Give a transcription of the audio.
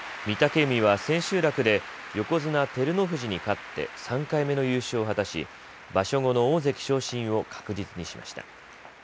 御嶽海は千秋楽で横綱・照ノ富士に勝って３回目の優勝を果たし場所後の大関昇進を確実にしました。